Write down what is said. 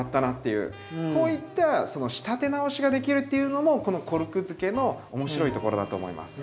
こういったその仕立て直しができるっていうのもこのコルクづけの面白いところだと思います。